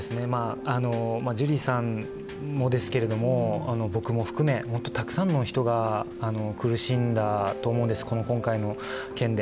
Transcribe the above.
ジュリーさんもですけども僕も含め、本当にたくさんの人が苦しんだと思うんです、今回の件で。